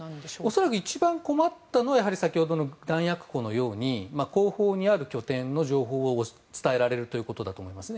恐らく一番困ったのは先ほどの弾薬庫のように後方にある拠点の情報を伝えられるということだと思います。